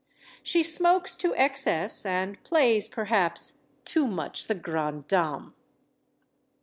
She smokes to excess and plays, perhaps, too much the grande dame.